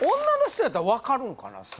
女の人やったら分かるんかな